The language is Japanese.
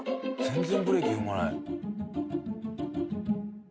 全然ブレーキ踏まない。